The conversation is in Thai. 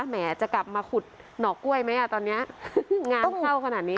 แหมจะกลับมาขุดหน่อกล้วยไหมอ่ะตอนนี้งานเข้าขนาดนี้